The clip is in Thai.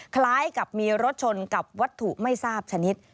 คล้ายกับมีรถชนกับวัตถุไม่ทราบชนิด